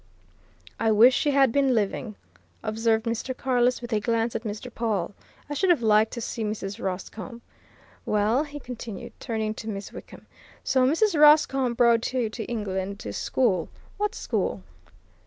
"I wish she had been living," observed Mr. Carless, with a glance at Mr. Pawle. "I should have liked to see Mrs. Roscombe. Well," he continued, turning to Miss Wickham, "so Mrs. Roscombe brought you to England, to school. What school?"